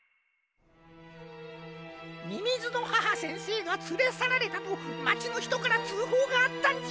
みみずの母先生がつれさられたとまちのひとからつうほうがあったんじゃ。